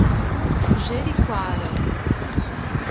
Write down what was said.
Jeriquara